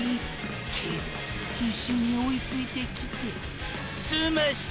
けどォ必死に追いついてきてぇすました